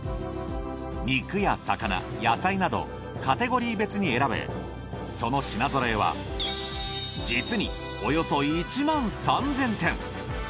肉や魚野菜などカテゴリー別に選べその品揃えは実におよそ１万３，０００点。